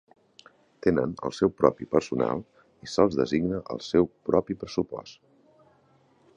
Tenen el seu propi personal i se'ls designa el seu propi pressupost.